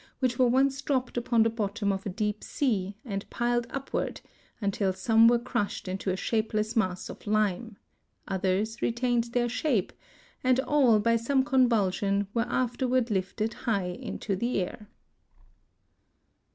10), which were once dropped upon the bottom of a deep sea and piled upward until some were crushed into a shapeless mass of lime, others retained their shapes (Fig. 11); and all, by some convulsion, were afterward lifted high into the air.